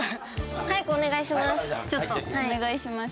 早くお願いします。